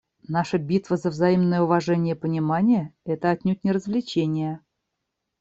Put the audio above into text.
Наша битва за взаимное уважение и понимание — это отнюдь не развлечение.